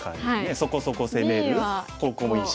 そこそこ攻める方向もいいし。